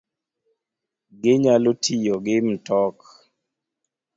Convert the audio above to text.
Ginyalo tiyo gi mtok